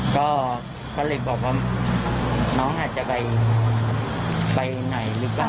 แต่เขาเลยบอกว่าน้องอาจจะไปไหนรึเปล่า